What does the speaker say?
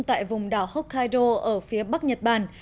tại vùng đảo hokkaido ở phía bắc nhật bản